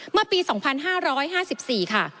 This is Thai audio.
เมื่อปี๒๕๕๔ค่ะ